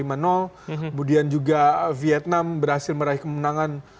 kemudian juga vietnam berhasil meraih kemenangan